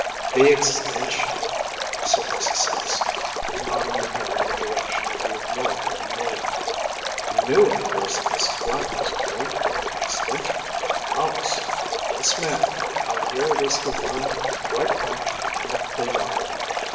“The extension,‚ÄĚ said Mrs. Sampson, nodding her head in the direction of the ignored magnolia. “You knew, of course, that Mrs. Black was going to build an extension to her house? Yes, ma’am. I hear it is to run right back to the end of the yard.